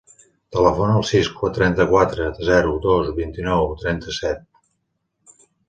Telefona al sis, trenta-quatre, zero, dos, vint-i-nou, trenta-set.